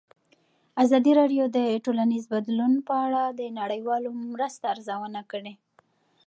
ازادي راډیو د ټولنیز بدلون په اړه د نړیوالو مرستو ارزونه کړې.